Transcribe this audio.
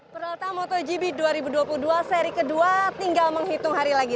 peralatan motogp dua ribu dua puluh dua seri kedua tinggal menghitung hari lagi